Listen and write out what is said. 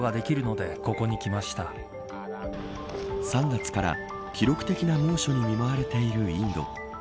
３月から記録的な猛暑に見舞われているインド。